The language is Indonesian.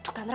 tuh kan ra